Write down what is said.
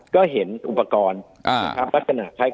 ก็เห็นอุปกรณ์ปัจจนะ